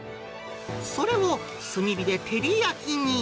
それを炭火で照り焼きに。